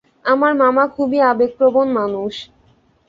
আমার মামা খুবই আবেগপ্রবণ মানুষ।